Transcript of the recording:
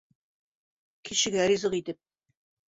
Кешегә ризыҡ итеп.